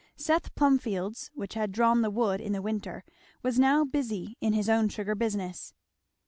Seth Plumfield's, which had drawn the wood in the winter, was now busy in his own sugar business.